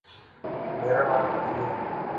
میرا نام علی ہے۔